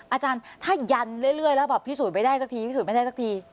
อาจารย์ถ้ายันเรื่อยแล้วพิสูจน์ไม่ได้สักที